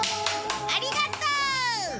ありがとう！